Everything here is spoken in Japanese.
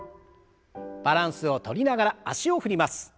バランスをとりながら脚を振ります。